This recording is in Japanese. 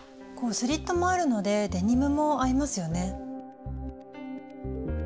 スリットもあるのでデニムも合いますよね。